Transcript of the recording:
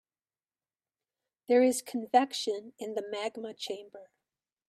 There is convection in the magma chamber.